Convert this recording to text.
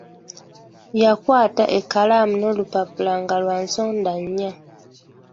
Yakwata ekalamu n'olupapula nga lwa nsonda nnya.